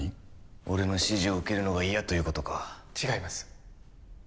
俺の指示を受けるのが嫌ということか違います